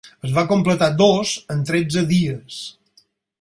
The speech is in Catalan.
Es va completar dos en tretze dies.